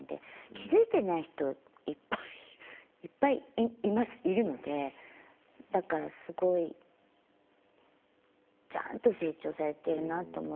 気付いてない人いっぱいいますいるのでだからすごいちゃんと成長されているなと思いますね。